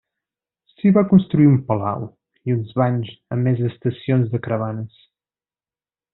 S'hi va construir un palau i uns banys a més d'estacions de caravanes.